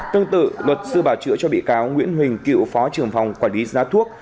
tương tự luật sư bào chữa cho bị cáo nguyễn huỳnh cựu phó trường phòng quản lý giá thuốc